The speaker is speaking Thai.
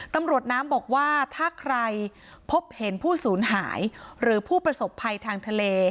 ตำรวจน้ำบอกว่าถ้าใครพบเห็นผู้สูญหายหรือผู้ประสบภัยทางทะเล